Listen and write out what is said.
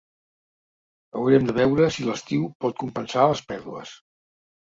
Haurem de veure si l’estiu pot compensar les pèrdues.